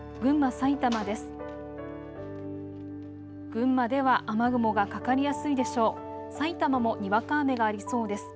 埼玉もにわか雨がありそうです。